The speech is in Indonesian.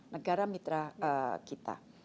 negara mitra kita